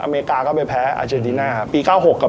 อเมริกาก็ไปแพ้อาเจดิน่าครับ